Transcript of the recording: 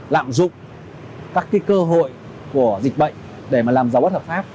lạm dụng các cơ hội của dịch bệnh để làm giáo bất hợp pháp